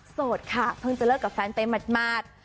โสดค่ะเพิ่งจะเลิกกับแฟนไปหมาด